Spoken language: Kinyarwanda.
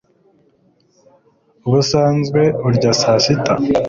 Ubusanzwe urya saa sita